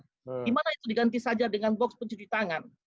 dimana itu diganti saja dengan box pencuci tangan